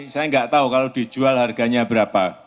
saya nggak tahu kalau dijual harganya berapa